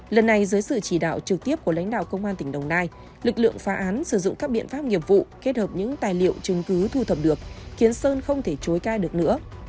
lần này dưới sự chỉ đạo trực tiếp của lãnh đạo công an tỉnh đồng nai lực lượng phá án sử dụng các biện pháp nghiệp vụ kết hợp những tài liệu chứng cứ thu thập được khiến sơn không thể chối cai được nữa